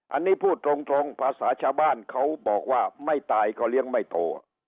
อันนี้พูดตรงภาษาชาวบ้านเขาบอกว่าไม่ตายก็เลี้ยงไม่โต